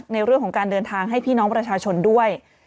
ในเรื่องของการเดินทางให้พี่น้องประชาชนด้วย